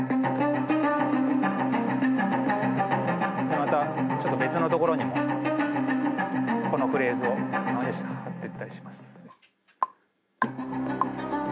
また別のところにもこのフレーズを貼ってったりします。